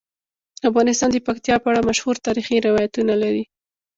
افغانستان د پکتیا په اړه مشهور تاریخی روایتونه لري.